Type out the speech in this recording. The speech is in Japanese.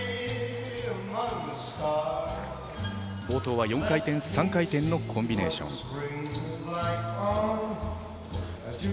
冒頭は４回転、３回転のコンビネーション。